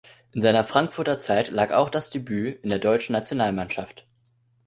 In seiner Frankfurter Zeit lag auch das Debüt in der deutschen Nationalmannschaft.